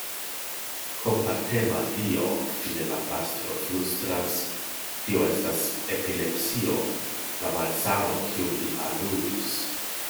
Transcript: Kompatema Dio! fine la pastro flustras, tio estas epilepsio, la malsano, kiun li aludis.